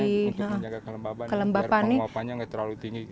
ini tujuannya untuk menjaga kelembaban biar penguapannya tidak terlalu tinggi